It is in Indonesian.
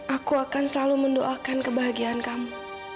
aku akan selalu mendoakan kebahagiaan kamu